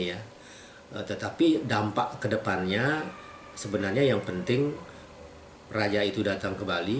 ya tetapi dampak kedepannya sebenarnya yang penting raja itu datang ke bali